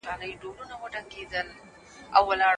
کلتور د خلکو ترمنځ توپیر لري.